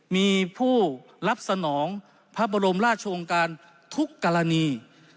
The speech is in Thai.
มีผู้รับสนองพระบรมราชองค์การทุกกรณี